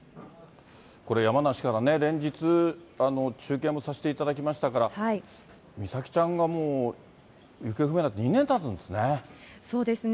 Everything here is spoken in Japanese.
これ、山梨からね、連日、中継もさせていただきましたから、美咲ちゃんがもう行方不明になって２年たつんですね。